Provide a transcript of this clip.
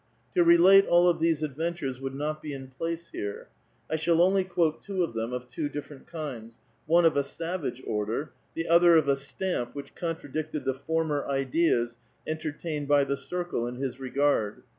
To relate all of these adventures would not be in place here ; I shall only quote two of them of two ditferent kinds : one of a savage order ; the other of a stamp which contradicted the former ideas entertained by the circle in his regard.